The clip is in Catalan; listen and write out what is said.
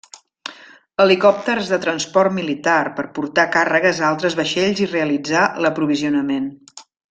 Helicòpters de transport militar per portar càrregues a altres vaixells i realitzar l'aprovisionament.